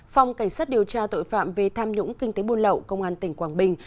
phòng cảnh sát điều tra tội phạm về tham nhũng kinh tế buôn lậu công an tỉnh quảng bình